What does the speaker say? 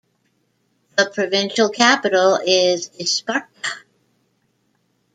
The provincial capital is Isparta.